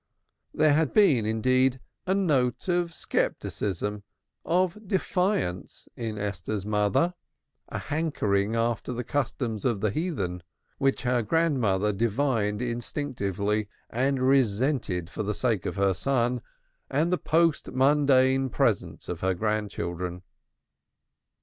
There had been, indeed, a note of scepticism, of defiance, in Esther's mother, a hankering after the customs of the heathen, which her grandmother divined instinctively and resented for the sake of her son and the post mundane existence of her grandchildren.